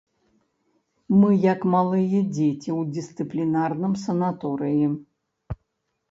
Мы як малыя дзеці ў дысцыплінарным санаторыі.